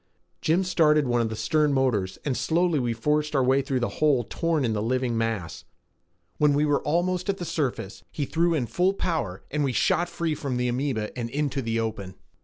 Jim started one of the stern motors and slowly we forced our way through the hole torn in the living mass. When we were almost at the surface, he threw in full power and we shot free from the amoeba and into the open.